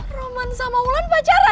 roman sama wulan pacaran dong